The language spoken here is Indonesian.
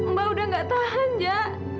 mbak udah gak tahan jak